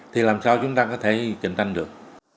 thì làm sao chúng ta có thể cạnh tranh được